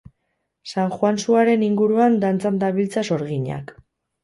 San Juan suaren inguruan dantzan dabiltza sorginak